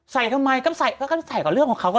ใส่ทำไมก็ใส่กับเรื่องของเขา